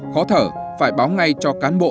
khó thở phải báo ngay cho cán bộ